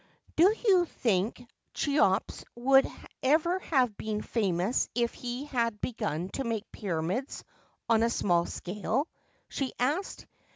331 ' Do you think Cheops would ever have been famous if he had begun to make pyramids on a small scale ?' she asked.